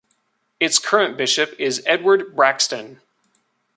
Its current bishop is Edward Braxton.